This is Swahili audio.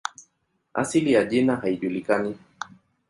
Asili ya jina haijulikani.